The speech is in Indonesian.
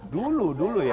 dulu dulu ya